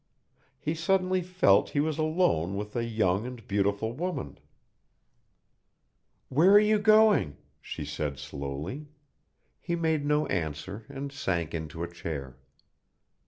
He suddenly felt he was alone with a young and beautiful woman ... "Where are you going?" she said slowly. He made no answer and sank into a chair.